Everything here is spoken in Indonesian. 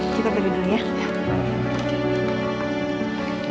kita pergi dulu ya